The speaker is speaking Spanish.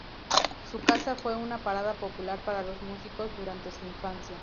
Su casa fue una parada popular para los músicos durante su infancia.